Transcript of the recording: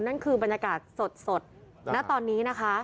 นั่นคือบรรยากาศสดณตอนนี้นะคะ